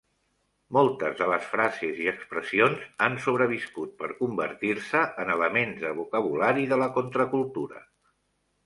Moltes de les frases i expressions han sobreviscut per convertir-se en elements de vocabulari de la contracultura.